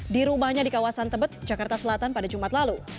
di rumahnya di kawasan tebet jakarta selatan pada jumat lalu